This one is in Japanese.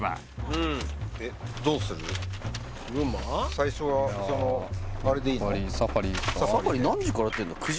最初はそのあれでいいの？